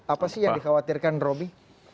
apa sih yang dikhawatirkan roby